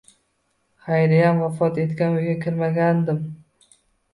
Xayriyam vafot etgan uyga kirmagandim.